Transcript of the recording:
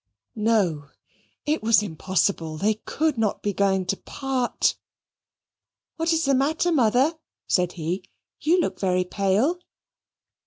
No, it was impossible. They could not be going to part. "What is the matter, Mother?" said he; "you look very pale."